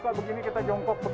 jadi terbuka begini kita jongkok